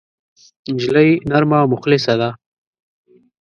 نجلۍ نرمه او مخلصه ده.